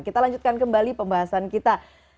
kita lanjutkan kembali pembahasan kita